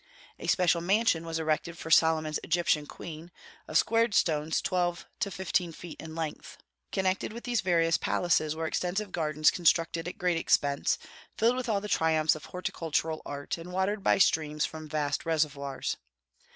A special mansion was erected for Solomon's Egyptian queen, of squared stones twelve to fifteen feet in length. Connected with these various palaces were extensive gardens constructed at great expense, filled with all the triumphs of horticultural art, and watered by streams from vast reservoirs.